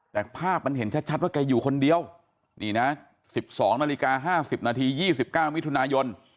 แต่ภาพมันเห็นชัดว่าแกอยู่คนเดียวนี่นะ๑๒นาฬิกา๕๐นาที๒๙มิถุนายน